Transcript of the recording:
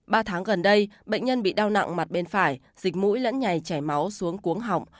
ba tháng gần đây bệnh nhân bị đau nặng mặt bên phải dịch mũi lẫn ngày chảy máu xuống cuống họng